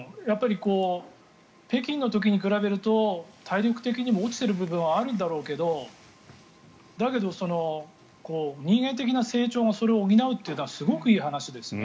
北京の時に比べると体力的にも落ちている部分はあるんだろうけどだけど、人間的な成長がそれを補うというのはすごくいい話ですね。